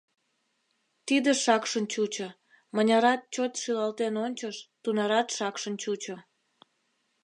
Тиде шакшын чучо, мынярат чот шӱлалтен ончыш, тунарат шакшын чучо.